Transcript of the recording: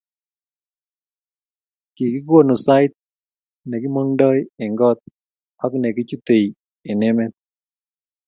kikikonu sait ne kimong'doi eng' koot ak ne kichutei eng' emet